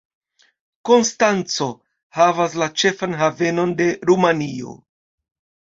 Konstanco havas la ĉefan havenon de Rumanio.